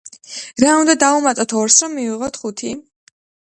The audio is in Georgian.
რა უნდა დავუმატოთ ორს, რომ მივიღოთ ხუთი?